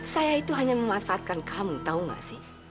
saya itu hanya memanfaatkan kamu tahu gak sih